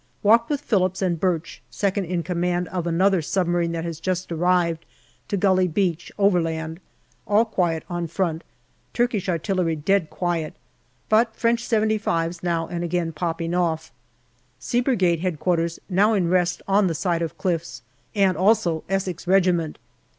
Walked with Phillips and Birch (second in command of another sub marine that has just arrived) to Gully Beach, overland. All quiet on front. Turkish artillery dead quiet, but French " 75's " now and again popping off. See Brigade H.Q., now in rest on the side of cliffs, and also Essex Regi ment.